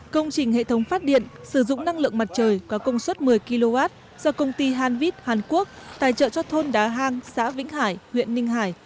công trình hệ thống phát điện sử dụng năng lượng mặt trời có công suất một mươi kw do công ty hanvit hàn quốc tài trợ cho thôn đá hang xã vĩnh hải huyện ninh hải